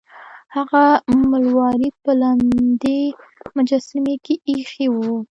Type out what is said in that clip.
هغه مروارید په لمدې مجسمې کې ایښی و.